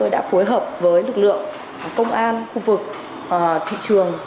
đã phối hợp với lực lượng công an khu vực thị trường